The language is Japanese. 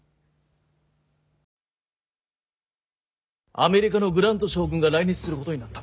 アメリカのグラント将軍が来日することになった。